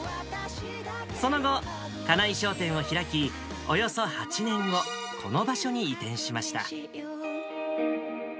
その後、金井商店を開き、およそ８年後、この場所に移転しました。